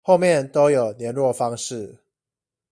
後面都有連絡方式